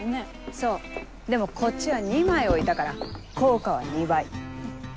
そうでもこっちは２枚置いたから効果は２倍。